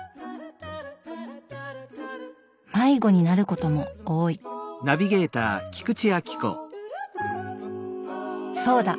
迷子になることも多いそうだ！